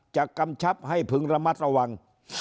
กำชับให้พึงระมัดระวัง